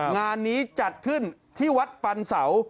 งานนี้จัดขึ้นที่วัดปันเสา